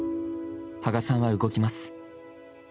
芳賀さんは動きます。